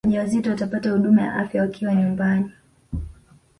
wajawazito watapata huduma ya afya wakiwa nyumbani